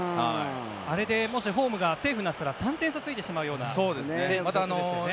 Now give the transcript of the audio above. あれで、もしホームがセーフになっていたら３点差ついてしまうような状況でしたよね。